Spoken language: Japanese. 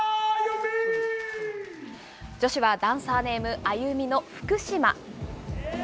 女子はダンサーネーム、ＡＹＵＭＩの福島。